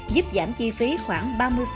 giúp giảm chi phí khoảng ba mươi